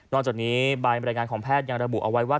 จากนี้ใบบรรยายงานของแพทย์ยังระบุเอาไว้ว่า